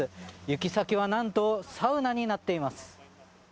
行き先はなんとサウナになっています。